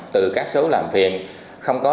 từ các số làm phiền không có